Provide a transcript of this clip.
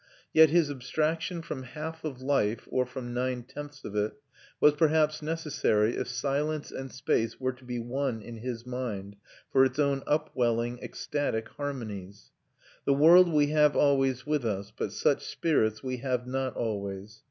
Yet his abstraction from half of life, or from nine tenths of it, was perhaps necessary if silence and space were to be won in his mind for its own upwelling, ecstatic harmonies. The world we have always with us, but such spirits we have not always.